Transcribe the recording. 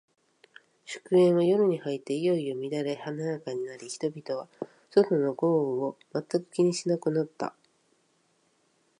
祝宴は、夜に入っていよいよ乱れ華やかになり、人々は、外の豪雨を全く気にしなくなった。メロスは、一生このままここにいたい、と思った。